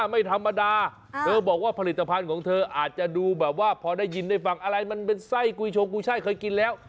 ไม่ธรรมดาเธอบอกว่าผลิตภัณฑ์ของเธออาจจะดูแบบว่าพอได้ยินได้ฟังอะไรมันเป็นไส้กุยชงกุยช่ายเคยกินแล้ว